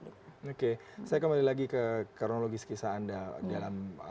oke saya kembali lagi ke kronologi sekisah anda dalam